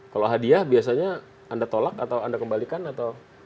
kalau hadiah biasanya anda tolak atau anda kembalikan atau